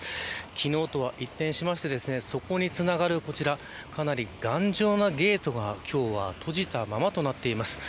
昨日とは、一転しましてそこにつながるこちらかなり頑丈なゲートが今日は閉じたままとなっています。